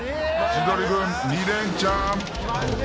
千鳥軍２レンチャン。